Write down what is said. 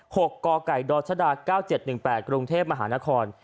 หกกกดชด๙๗๑๘กรุงเทพฯมหานคร